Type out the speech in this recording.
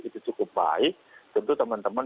itu cukup baik tentu teman teman